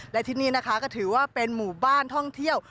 และที่นี่นะคะก็ถือว่าเป็นหมู่บ้านท่องเที่ยว